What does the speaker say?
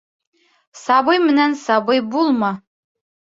Сабый менән сабый булма.